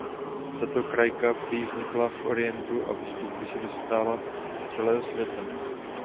Tato krajka prý vznikla v orientu a postupně se dostala do celého světa.